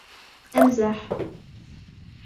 امزح.